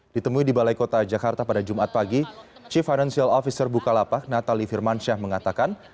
ditemui di balai kota jakarta pada jumat pagi chief financial officer bukalapak natali firmansyah mengatakan